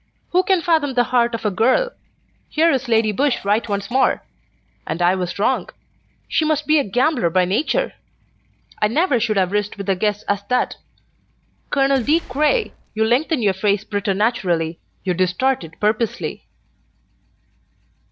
Who can fathom the heart of a girl! Here is Lady Busshe right once more! And I was wrong. She must be a gambler by nature. I never should have risked such a guess as that. Colonel De Craye, you lengthen your face preternaturally, you distort it purposely."